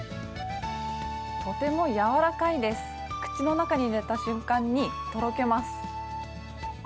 とても柔らかいです、口の中に入れた瞬間にとろけます。